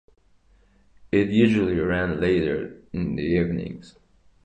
It usually ran later in the evenings.